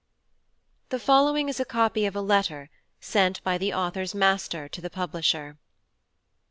The following is a Copy of a LETTER sent by the Author's Master to the Publisher.